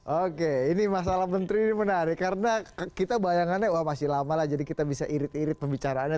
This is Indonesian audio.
oke ini masalah menteri ini menarik karena kita bayangannya wah masih lama lah jadi kita bisa irit irit pembicaraannya